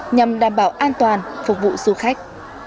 nhằm đảm bảo an toàn phục vụ du khách